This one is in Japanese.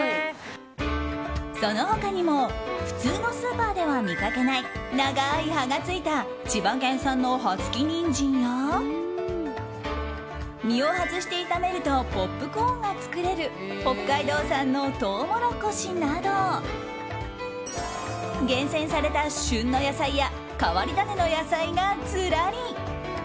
その他にも普通のスーパーでは見かけない長い葉が付いた千葉県産の葉付きニンジンや実を外して炒めるとポップコーンが作れる北海道産のトウモロコシなど厳選された旬の野菜や変わり種の野菜がずらり。